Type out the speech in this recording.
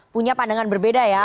punya pandangan berbeda ya